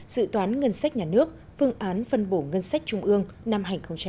dự toán ngân sách nhà nước phương án phân bổ ngân sách trung ương năm hai nghìn hai mươi